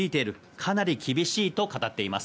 かなり厳しいと語っています。